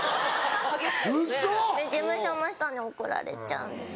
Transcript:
ウソ！で事務所の人に怒られちゃうんです。